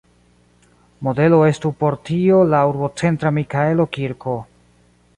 Modelo estu por tio la urbocentra Mikaelo-kirko.